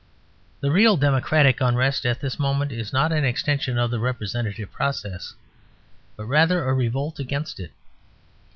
The real democratic unrest at this moment is not an extension of the representative process, but rather a revolt against it.